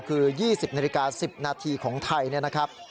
คือ๒๐น๑๐นของไทยนะครับ